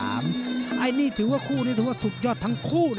อันนี้ถือว่าคู่นี้ถือว่าสุดยอดทั้งคู่